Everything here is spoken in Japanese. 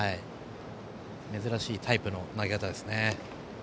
珍しいタイプの投げ方ですね。